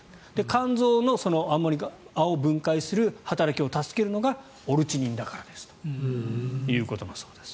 肝臓のアンモニアを分解する働きを助けるのがオルニチンだからですということだそうです。